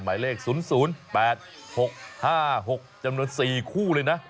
หมายเลข๐๐๘๖๕๖จำนวน๔คู่เลยนะ